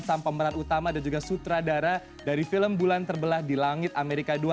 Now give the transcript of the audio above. sang pemeran utama dan juga sutradara dari film bulan terbelah di langit amerika ii